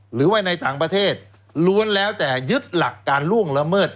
หรือว่าในต่างประเทศล้วนแล้วแต่ยึดหลักการล่วงละเมิด